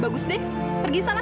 bagus deh pergi sana